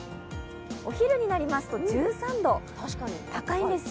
お昼になりますと１３度と高いんですよ。